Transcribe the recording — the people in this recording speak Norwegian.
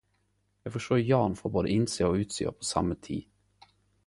Eg får sjå Jan frå både innsida og utsida på same tid.